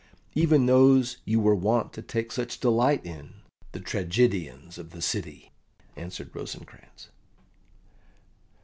"Even those you were wont to take such delight in, the tragedians of the city," answered Rosencrantz.